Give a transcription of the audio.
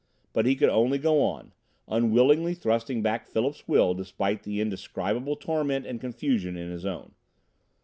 But he could only go on, unwillingly thrusting back Philip's will despite the indescribable torment and confusion in his own.